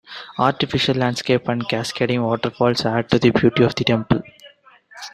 Artificial landscape and cascading waterfalls add to the beauty of the temple.